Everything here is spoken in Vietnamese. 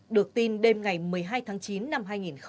được tin đêm ngày một mươi hai tháng chín năm hai nghìn hai mươi ba